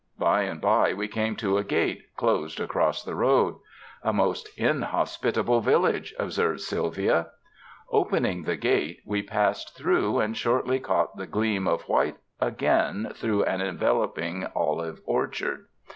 By and by we came to a gate closed across the road. "A most inhospitable village," observed Sylvia. Opening the gate, T7e passed through, and shortly caught the gleam of white again through an envelop ing olive orchard.